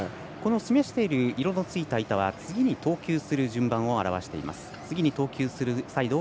示している色のついた板は次に投球するサイドを表しています。